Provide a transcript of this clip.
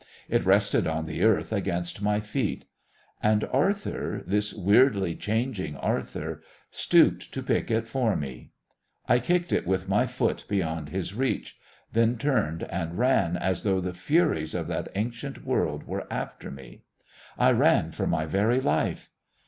It rested on the earth against my feet. And Arthur this weirdly changing Arthur stooped to pick it for me. I kicked it with my foot beyond his reach ... then turned and ran as though the Furies of that ancient world were after me. I ran for my very life.